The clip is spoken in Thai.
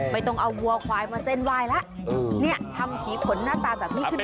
ไม่ต้องเอาวัวควายมาเส้นไหว้แล้วเนี่ยทำผีขนหน้าตาแบบนี้ขึ้นมา